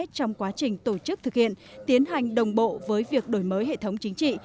trong quá trình tổ chức thực hiện tiến hành đồng bộ với việc đổi mới hệ thống chính trị